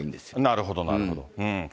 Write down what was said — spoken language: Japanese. なるほど、なるほど。